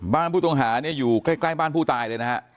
บ้านผู้ต้องหาเนี่ยอยู่ใกล้บ้านผู้ตายเลยนะฮะ